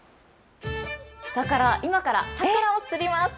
だから、今からサクラを釣ります。